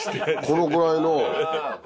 このぐらいの。